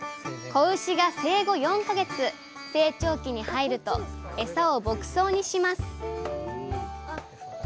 子牛が生後４か月成長期に入るとエサを牧草にします